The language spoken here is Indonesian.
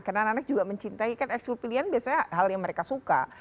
karena anak anak juga mencintai kan ekskul pilihan biasanya hal yang mereka suka